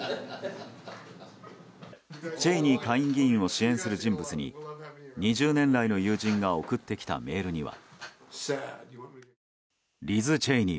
チェイニー下院議員を支援する人物に２０年来の友人が送ってきたメールには。